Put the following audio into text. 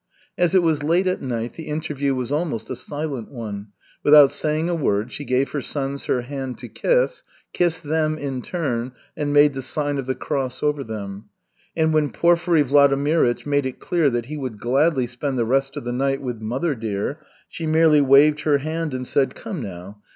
As it was late at night the interview was almost a silent one. Without saying a word she gave her sons her hand to kiss; kissed them in turn, and made the sign of the cross over them; and when Porfiry Vladimirych made it clear that he would gladly spend the rest of the night with "mother dear," she merely waved her hand and said: "Come now.